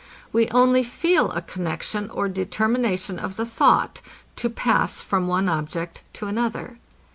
We only feel a connexion or determination of the thought, to pass from one object to another.